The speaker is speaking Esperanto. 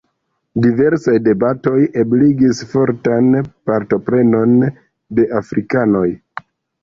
Diversaj debatoj ebligis fortan partoprenon de afrikanoj.